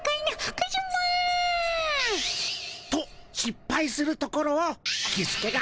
カズマ。としっぱいするところをキスケが。